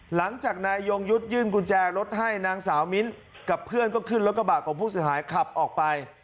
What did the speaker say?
หลังจากนายยงยุทธ์ยื่นกุญแจรถให้นางสาวมิ้นกับเพื่อนก็ขึ้นรถกระบะของผู้เสียหายขับออกไป